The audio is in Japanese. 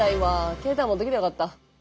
携帯持ってきたらよかった。